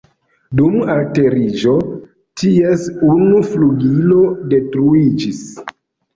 Dum alteriĝo, ties unu flugilo detruiĝis.